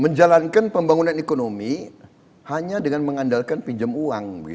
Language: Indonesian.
menjalankan pembangunan ekonomi hanya dengan mengandalkan pinjam uang